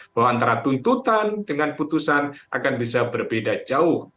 bahwa antara tuntutan dengan putusan akan bisa berbeda jauh